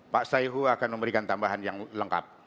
pak saihu akan memberikan tambahan yang lengkap